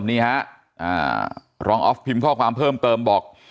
นี่ฮะรองออฟพิมพ์ข้อความเพิ่มเติมบอก